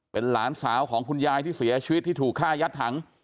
เป็นหลานสาวของคุณยายที่เสียชีวิตที่ถูกฆ่ายัดถัง